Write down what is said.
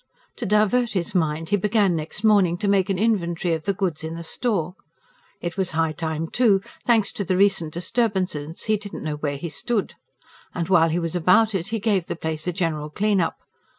To divert his mind, he began next morning to make an inventory of the goods in the store. It was high time, too: thanks to the recent disturbances he did not know where he stood. And while he was about it, he gave the place a general clean up.